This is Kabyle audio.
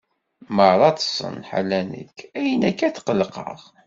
Meṛṛa ṭṭsen, ḥala nekk, ayen akka tqelqeɣ?